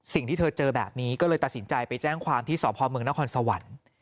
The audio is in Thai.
สิ่งที่เธอเจอแบบนี้ก็เลยตัดสินใจไปแจ้งความที่สพเมืองนครสวรรค์